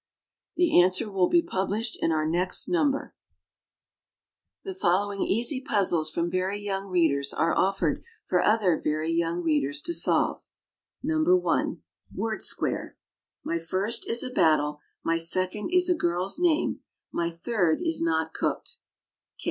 F. The answer will be published in our next number. The following easy puzzles from very young readers are offered for other very young readers to solve: No. 1. WORD SQUARE. My first is a battle. My second is a girl's name. My third is not cooked.